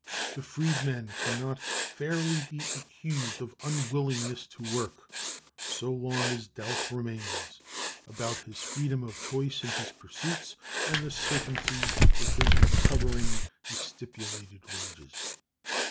The freedman can not fairly be accused of unwillingness to work so long as a doubt remains about his freedom of choice in his pursuits and the certainty of his recovering his stipulated wages.